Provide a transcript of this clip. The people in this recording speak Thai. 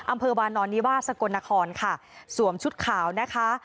อำเภอวานอนนิวาสกลนครค่ะสวมชุดขาวนะคะ